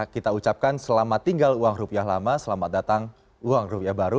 kita ucapkan selamat tinggal uang rupiah lama selamat datang uang rupiah baru